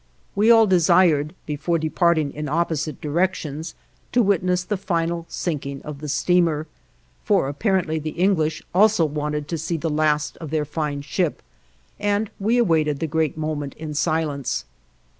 We all desired, before departing in opposite directions, to witness the final sinking of the steamer, for apparently the English also wanted to see the last of their fine ship, and we awaited the great moment in silence.